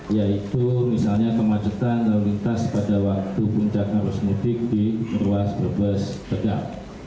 yaitu misalnya kemacetan lalu lintas pada waktu puncak arus mudik di ruas brebes tegal